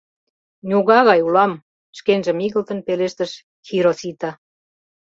— Ньога гай улам, — шкежым игылтын, пелештыш Хиросита.